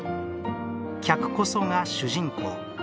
客こそが主人公。